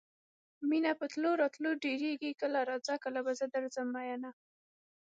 مینه په تلو راتلو ډېرېږي کله راځه او کله به زه درځم میینه.